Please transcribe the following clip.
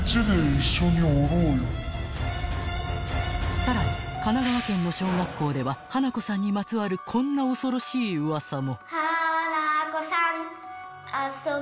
［さらに神奈川県の小学校では花子さんにまつわるこんな恐ろしい噂も］